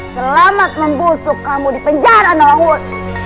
selamat membusuk kamu di penjara nowood